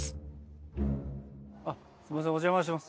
すいませんお邪魔します。